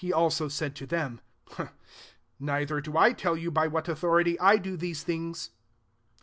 He also said to them, "Neither do I tell you by what authority I do these things.